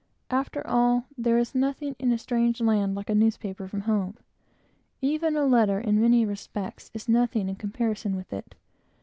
After all, there is nothing in a strange land like a newspaper from home. Even a letter, in many respects, is nothing, in comparison with it.